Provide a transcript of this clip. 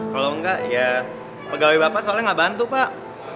kalau enggak ya pegawai bapak soalnya nggak bantu pak